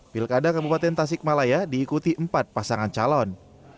pilkada kabupaten tasikmalaya diikuti empat pasangan calon